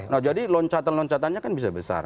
nah jadi loncatan loncatannya kan bisa besar